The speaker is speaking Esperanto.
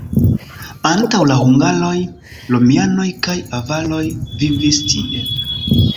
Antaŭ la hungaroj, romianoj kaj avaroj vivis tie.